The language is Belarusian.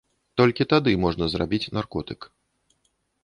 Толькі тады можна зрабіць наркотык.